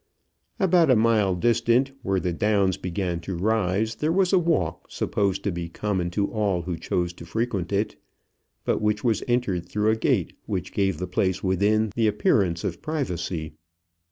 About a mile distant, where the downs began to rise, there was a walk supposed to be common to all who chose to frequent it, but which was entered through a gate which gave the place within the appearance of privacy.